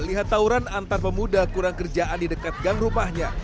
melihat tawuran antar pemuda kurang kerjaan di dekat gang rumahnya